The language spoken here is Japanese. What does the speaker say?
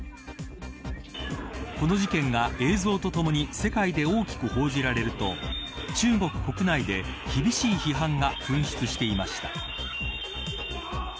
この事件が映像とともに世界で大きく報じられると中国国内で厳しい批判が噴出していました。